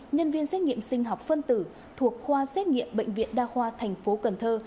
nhân viên xét nghiệm sinh học phân tử thuộc khoa xét nghiệm bệnh viện đa khoa tp cần thơ